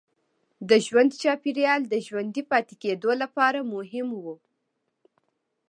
د ژوند چاپېریال د ژوندي پاتې کېدو لپاره مهم و.